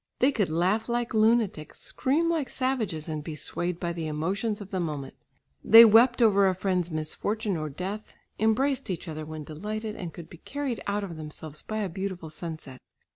They could laugh like lunatics, scream like savages, and be swayed by the emotions of the moment. They wept over a friend's misfortune or death, embraced each other when delighted and could be carried out of themselves by a beautiful sunset.